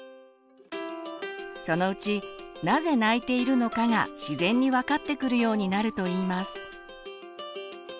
そのうちなぜ泣いているのかが自然に分かってくるようになるといいます。